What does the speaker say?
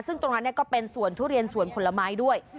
ซึ่งตรงนั้นก็เป็นสวนทุเรียนสวนผลไม้ด้วย